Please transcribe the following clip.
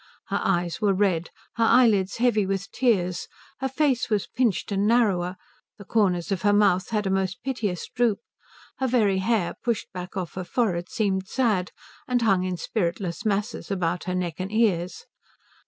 Her eyes were red, her eyelids heavy with tears, her face was pinched and narrower, the corners of her mouth had a most piteous droop, her very hair, pushed back off her forehead, seemed sad, and hung in spiritless masses about her neck and ears.